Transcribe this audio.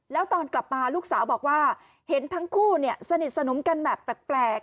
แล้วตอนกลับมาลูกสาวบอกว่าเห็นทั้งคู่สนิทสนมกันแบบแปลก